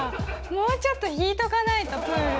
もうちょっと引いとかないと、プール。